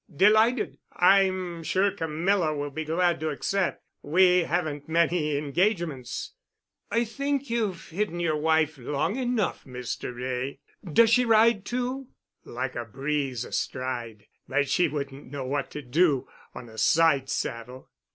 "Delighted. I'm sure Camilla will be glad to accept. We haven't many engagements." "I think you've hidden your wife long enough, Mr. Wray. Does she ride, too?" "Like a breeze—astride. But she wouldn't know what to do on a side saddle."